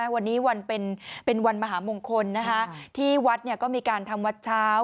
วันนี้วันเป็นวันมหามงคลที่วัดก็มีการทำวัดเช้า